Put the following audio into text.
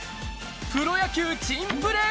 プロ野球珍プレー